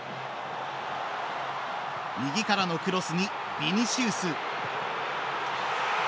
右からのクロスに、ビニシウス。